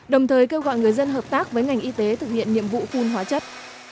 đồng thời kêu gọi người dân hợp tác với ngành y tế thực hiện nhiệm vụ phun hóa chất